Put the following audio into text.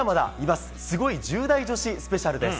スゴい１０代女子スペシャルです。